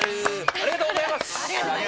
ありがとうございます。